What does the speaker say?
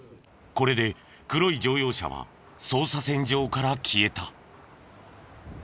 これで黒い乗用車は捜査線上から消えた。